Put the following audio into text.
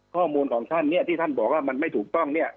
ข้อมูลของท่านเนี่ยที่ท่านบอกว่ามันไม่ถูกต้องเนี่ย